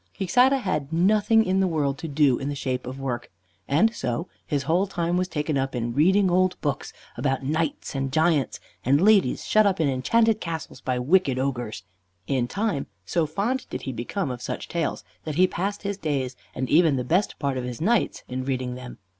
Quixada had nothing in the world to do in the shape of work, and so, his whole time was taken up in reading old books about knights and giants, and ladies shut up in enchanted castles by wicked ogres. In time, so fond did he become of such tales that he passed his days, and even the best part of his nights, in reading them.